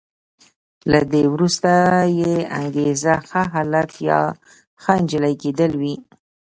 له دې وروسته یې انګېزه ښه هلک یا ښه انجلۍ کېدل وي.